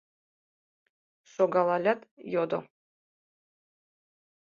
Шогалалят, йодо: